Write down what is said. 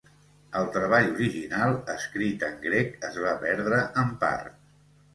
El treball original escrit en grec es va perdre en part.